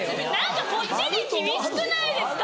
何かこっちに厳しくないですか？